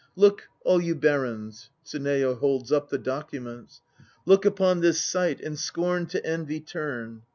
"Look, all you barons! (TSUNEYO holds up the documents.) Look upon this sight And scorn to envy turn!"